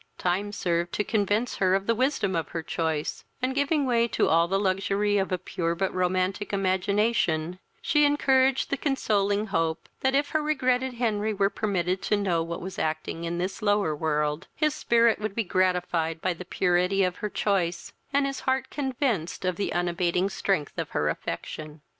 Time served to convince her of the wisdom of her choice; and, giving way to all the luxury of a pure but romantic imagination, she encouraged the consoling hope, that, if her regretted Henry were permitted to know what was acting in this lower world, his spirit would be gratified by the purity of her choice, and his heart convinced of the unabating strength of her affection.